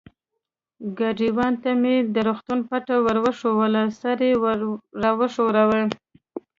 ګاډیوان ته مې د روغتون پته ور وښوول، سر یې و ښوراوه.